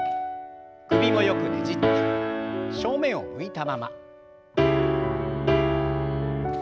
首もよくねじって正面を向いたまま。